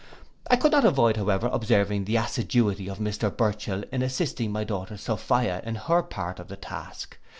I could not avoid, however, observing the assiduity of Mr Burchell in assisting my daughter Sophia in her part of the task.